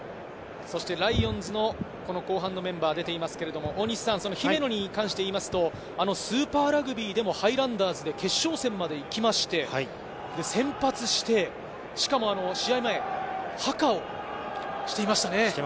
ライオンズの後半のメンバーが出ていますが、姫野に関していいますと、スーパーラグビーでもハイランダーズで決勝戦まで行きまして、先発して、しかも試合前、ハカをしていましたね。